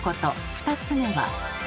２つ目は。